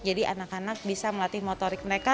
jadi anak anak bisa melatih motorik mereka